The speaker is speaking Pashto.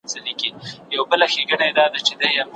د افغانستان طبیعي ښکلا په پاکه هوا او زرغون محیط کې ده.